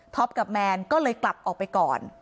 กับแมนก็เลยกลับออกไปก่อน